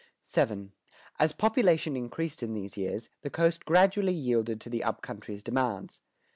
[121:1] VII. As population increased in these years, the coast gradually yielded to the up country's demands.